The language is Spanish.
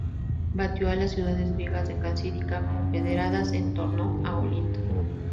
Batió a las ciudades griegas de Calcídica, confederadas en torno a Olinto.